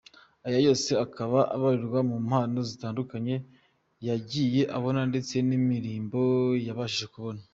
Aya yose akaba abarirwa mu mpano zitandukanye yagiye abona ndetse n’imirimbo yabashije kubona.